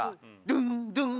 ドゥンドゥン